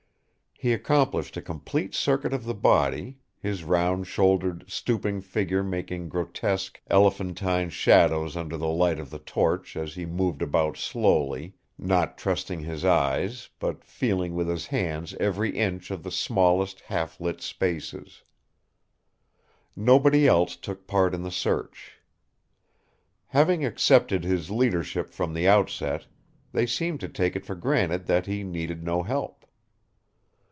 He accomplished a complete circuit of the body, his round shouldered, stooping figure making grotesque, elephantine shadows under the light of the torch as he moved about slowly, not trusting his eyes, but feeling with his hands every inch of the smallest, half lit spaces. Nobody else took part in the search. Having accepted his leadership from the outset, they seemed to take it for granted that he needed no help.